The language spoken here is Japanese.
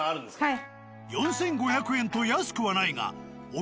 はい。